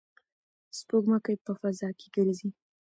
سپوږمکۍ په فضا کې ګرځي.